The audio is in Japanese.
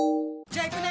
じゃあ行くね！